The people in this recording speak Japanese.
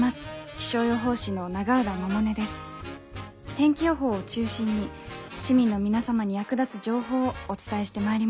天気予報を中心に市民の皆様に役立つ情報をお伝えしてまいります。